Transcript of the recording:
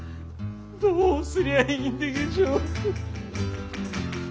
どうすりゃいいんでげしょう。